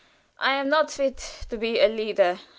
I am not fit to be a leader.